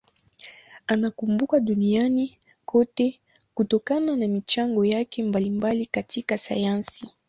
Anakumbukwa duniani kote kutokana na michango yake mbalimbali katika sayansi.